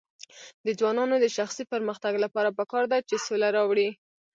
د ځوانانو د شخصي پرمختګ لپاره پکار ده چې سوله راوړي.